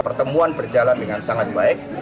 pertemuan berjalan dengan sangat baik